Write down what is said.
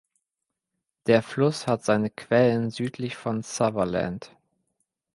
Der Fluss hat seine Quellen südlich von Sutherland.